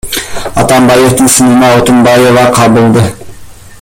Атамбаевдин сынына Отунбаева кабылды.